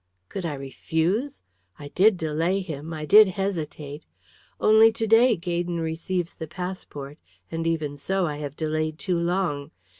"Could I refuse? I did delay him; I did hesitate. Only to day Gaydon receives the passport, and even so I have delayed too long.